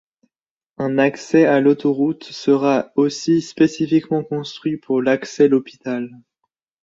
Un accès à l'autoroute sera aussi spécifiquement construit pour l'accès l'hôpital.